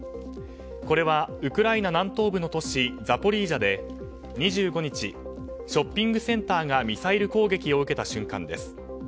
これはウクライナ南東部の都市ザポリージャで２５日、ショッピングセンターがミサイル攻撃を受けた瞬間です。